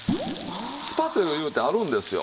スパテルいうてあるんですよ。